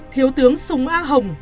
thiếu tướng súng a hồng